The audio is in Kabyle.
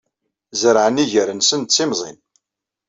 Zerɛen iger-nsen d timẓin.